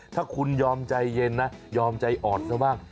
ถ้าคุณยอมใจเย็นนะยอมใจอ่อนซะบ้าง